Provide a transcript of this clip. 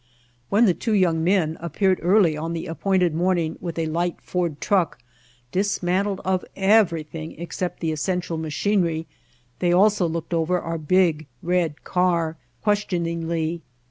When the two young men appeared early on the appointed morning with a light Ford truck dis mantled of everything except the essential ma chinery they also looked over our big, red car questioningly.